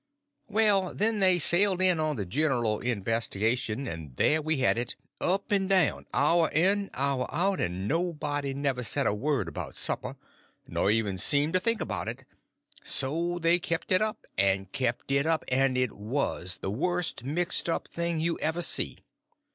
Well, then they sailed in on the general investigation, and there we had it, up and down, hour in, hour out, and nobody never said a word about supper, nor ever seemed to think about it—and so they kept it up, and kept it up; and it was the worst mixed up thing you ever see.